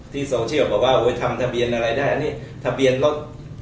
โซเชียลบอกว่าไว้ทำทะเบียนอะไรได้อันนี้ทะเบียนรถ